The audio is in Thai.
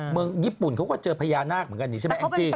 เมืองญี่ปุ่นเขาก็เจอพญานาคเหมือนกันนี่ใช่ไหมแองจี้